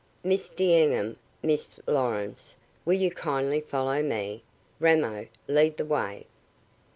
"Miss D'Enghien, Miss Lawrence, will you kindly follow me? Ramo, lead the way."